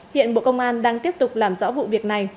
hiện bộ công an đang tiếp tục làm rõ vụ việc này